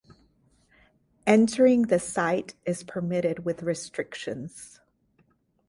Entering the site is permitted with restrictions.